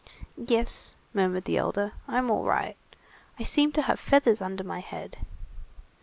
"Yes," murmured the elder, "I'm all right. I seem to have feathers under my head."